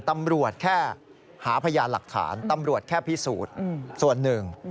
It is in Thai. ตำรวจแค่หาพยานหลักฐานตำรวจแค่พิสูจน์ส่วนหนึ่ง